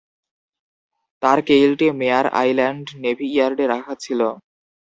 তার কেইলটি মেয়ার island navy ইয়ার্ডে রাখা ছিল।